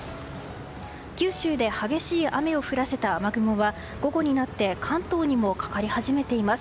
九州で激しい雨を降らせた雨雲は午後になって関東にもかかり始めています。